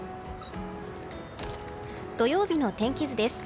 土曜日の天気図です。